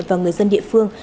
và người dân địa phương